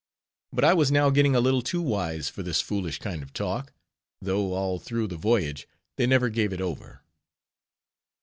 But I was now getting a little too wise for this foolish kind of talk; though all through the voyage, they never gave it over.